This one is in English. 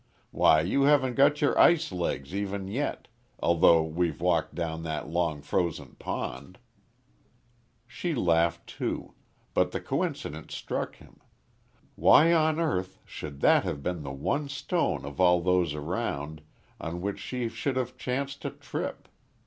"Why you haven't got your ice legs even yet, although we've walked down that long frozen pond." She laughed too. But the coincidence struck him. Why on earth should that have been the one stone of all those around, on which she should have chanced to trip?